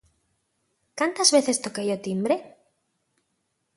¿Cantas veces toquei o timbre?